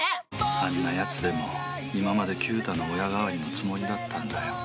あんな奴でも今まで九太の親代わりのつもりだったんだよ。